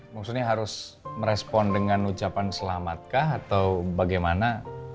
maksudnya harus merespon dengan ucapan selamat kah atau bagaimana